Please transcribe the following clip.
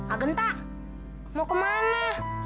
agenta mau ke mana